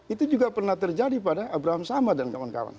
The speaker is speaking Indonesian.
itu juga pernah terjadi pada abraham samad dan kawan kawan